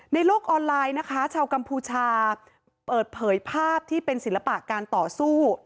โลกออนไลน์นะคะชาวกัมพูชาเปิดเผยภาพที่เป็นศิลปะการต่อสู้